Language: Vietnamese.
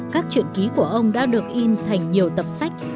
các chuyện ký của ông đã được in thành nhiều tập sách